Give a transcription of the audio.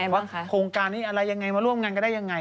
ว่าโครงการนี้อะไรยังไงมาร่วมงานก็ได้ยังไง